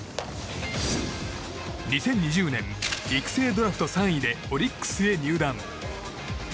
２０２０年、育成ドラフト３位でオリックスへ入団。